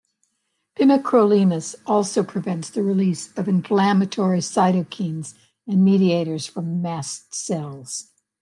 Pimecrolimus also prevents the release of inflammatory cytokines and mediators from mast cells.